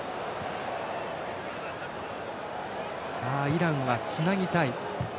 イランはつなぎたい。